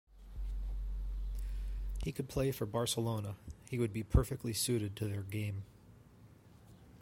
He could play for Barcelona, he would be perfectly suited to their game.